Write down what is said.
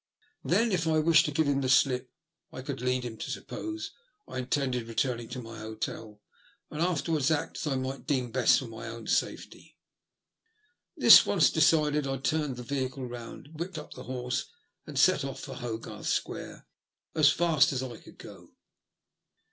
Then, if I wished to give him the slip, I could lead him to suppose I intended returning to my hotel, and afterwards act as I might deem best for my own safety. This once decided, I turned the vehicle round, whipped up the horse, and set off for Hogarth Square as fast as I could go.